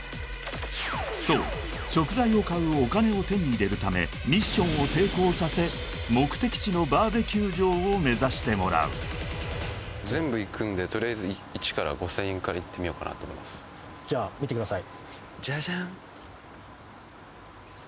そう食材を買うお金を手に入れるためミッションを成功させ目的地のＢＢＱ場を目指してもらう全部行くんでとりあえず１から５０００円からいってみようかなと思いますじゃあ見てください